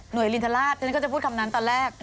หน่วยลินทรราชฉะนั้นก็จะพูดคำนั้นตอนแรก